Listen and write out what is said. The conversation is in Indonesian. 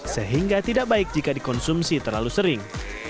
sehingga tidak baik jika dikonsumsi terlalu sering